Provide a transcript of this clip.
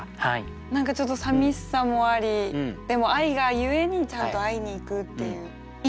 何かちょっとさみしさもありでも愛がゆえにちゃんと会いに行くっていう。